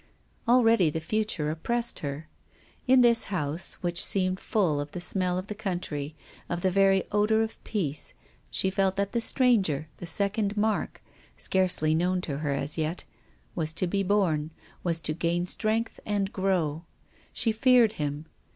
Already the future oppressed her. In this house, which seemed full of the smell of the country, of the very odour of peace, she felt that the stranger, the second Mark — scarcely known to her as yet — was to be born, was to gain " WILLIAM FOSTER." I35 Strength and grow. She feared him.